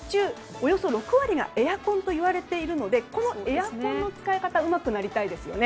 およそ６割がエアコンといわれているのでこのエアコンの使い方をうまくなりたいですよね。